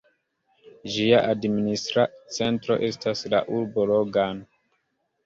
Ĝia administra centro estas la urbo Logan.